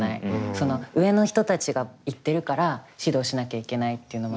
その上の人たちが言ってるから指導しなきゃいけないっていうのもあるだろうし。